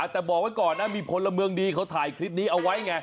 แต่บอกไว้ก่อนนะมีพลเมืองดีเขาถ่ายคลิปนี้เอาไว้ไง